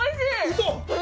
◆うそ！？